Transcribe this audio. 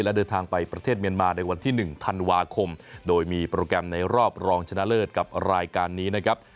และเดินทางไปประเทศเมียนมาในวันที่๑ธันวาคมโดยมีโปรแกรมในรอบรองชนะเลิศกับรายการนี้นะครับ